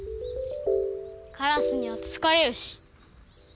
カラスにはつつかれるし。